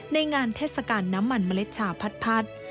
ในงานเทศกาลน้ำมันเมล็ดชาพัด